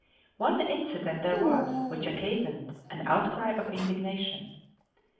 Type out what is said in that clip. One incident there was which occasioned an outcry of indignation.